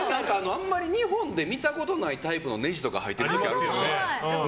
あんまり日本で見たことないタイプのねじとか入ってるじゃないですか。